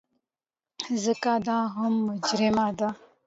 ځکه دا هم مجرمه ده.